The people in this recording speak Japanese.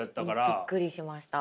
びっくりしました。